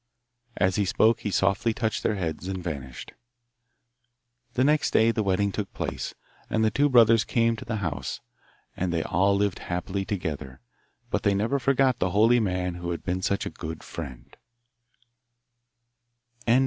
As he spoke he softly touched their heads and vanished. The next day the wedding took place, and the two brothers came to the house, and they all lived happily together, but they never forgot the holy man who had been such a good friend.